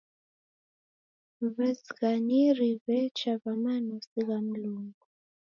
W'azighaniri w'echa w'a manosi gha Mlungu.